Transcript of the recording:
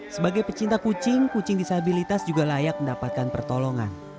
sebagai pecinta kucing kucing disabilitas juga layak mendapatkan pertolongan